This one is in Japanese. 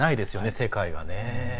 世界がね。